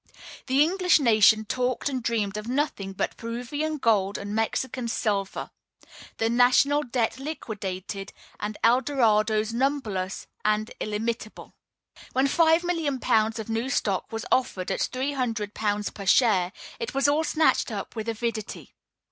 The English nation talked and dreamed of nothing but Peruvian gold and Mexican silver, the national debt liquidated, and Eldorados numberless and illimitable! When five million pounds of new stock was offered at three hundred pounds per share, it was all snatched up with avidity.